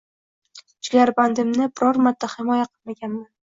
Jigarbandimni biror marta himoya qilmaganman.